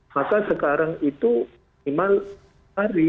maka sekarang itu minimal hari